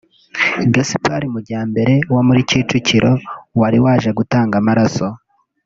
Gaspard Mujyambere wo muri Kicukiro wari waje gutanga amaraso